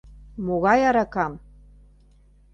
Могай аракам?